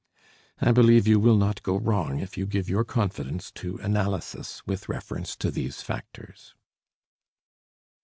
I believe you will not go wrong if you give your confidence to analysis with reference to these factors.